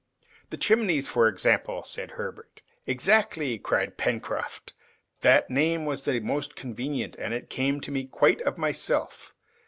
"The Chimneys, for example," said Herbert. "Exactly!" replied Pencroft. "That name was the most convenient, and it came to me quite of myself.